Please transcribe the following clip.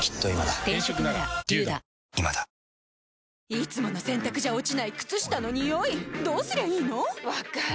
いつもの洗たくじゃ落ちない靴下のニオイどうすりゃいいの⁉分かる。